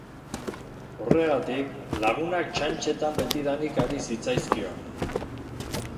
Horregatik, lagunak txantxetan betidanik ari zitzaizkion.